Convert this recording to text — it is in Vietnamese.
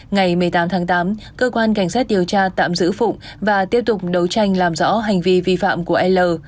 ngày một mươi tám tháng tám cơ quan cảnh sát điều tra tạm giữ phụng và tiếp tục đấu tranh làm rõ hành vi vi phạm của l